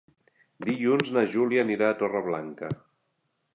Dilluns na Júlia anirà a Torreblanca.